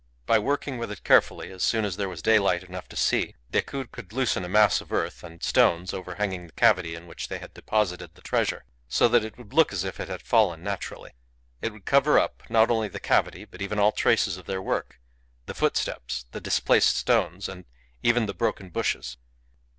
By working with it carefully as soon as there was daylight enough to see, Decoud could loosen a mass of earth and stones overhanging the cavity in which they had deposited the treasure, so that it would look as if it had fallen naturally. It would cover up not only the cavity, but even all traces of their work, the footsteps, the displaced stones, and even the broken bushes.